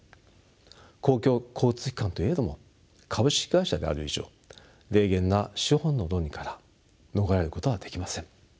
公共交通機関といえども株式会社である以上冷厳な資本の論理から逃れることはできません。